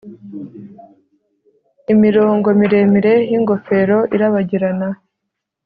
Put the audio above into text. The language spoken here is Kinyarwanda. Imirongo miremire yingofero irabagirana